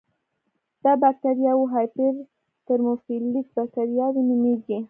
دا بکټریاوې هایپر ترموفیلیک بکټریاوې نومېږي.